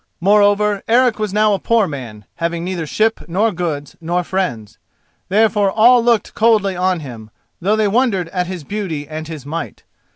Moreover, Eric was now a poor man, having neither ship nor goods, nor friends. Therefore all looked coldly on him, though they wondered at his beauty and his might.